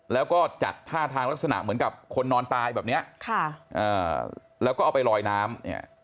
แล้วก็จัดท่าทางลักษณะเหมือนกับคนนอนตายแบบเนี้ยค่ะอ่าแล้วก็เอาไปลอยน้ำเนี่ย